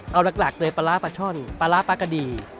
เอาหลักเลยปลาร้าปลาช่อนปลาร้าปลากะดี